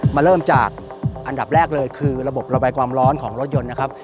มาเริ่มจากอันดับแรกเลยคือระบบระบายความร้อนของรถยนต์นะครับ